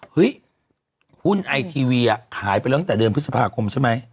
เฮ้ยหุ้นไอทีวีขายไปตั้งแต่เดือนพฤษภาคมใช่ไหม